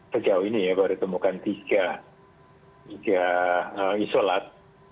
sejauh ini ya baru ditemukan tiga isolat